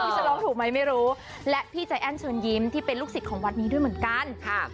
จะร้องถูกไหมไม่รู้และพี่ใจแอ้นเชิญยิ้มที่เป็นลูกศิษย์ของวัดนี้ด้วยเหมือนกันค่ะ